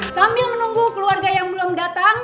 sambil menunggu keluarga yang belum datang